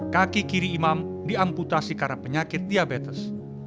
kaki kiri imam diamputasi karena penyakit diabetes